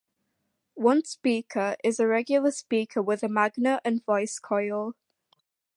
One speaker is a regular speaker with a magnet and voice coil.